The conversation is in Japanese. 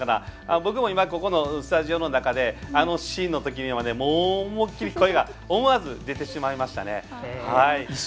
僕も今、ここのスタジオの中であのシーンのときには思い切り声が、思わず声が出てしまいましたね。